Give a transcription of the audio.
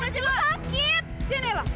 anak kurang anjar lo